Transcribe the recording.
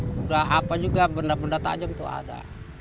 sudah apa juga benda benda tajam itu ada